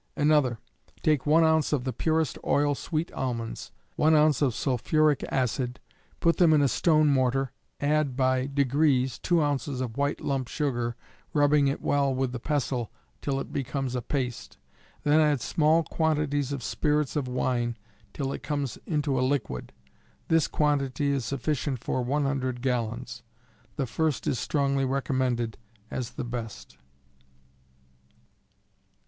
Another: take 1 ounce of the purest oil sweet almonds; 1 ounce of sulphuric acid; put them in a stone mortar, add, by degrees, 2 ounces white lump sugar, rubbing it well with the pestle till it becomes a paste; then add small quantities of spirits of wine till it comes into a liquid. This quantity is sufficient for 100 gallons. The first is strongly recommended as the best.